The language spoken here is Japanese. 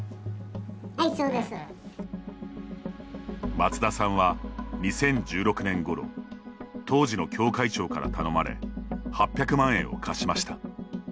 松田さんは、２０１６年ごろ当時の教会長から頼まれ８００万円を貸しました。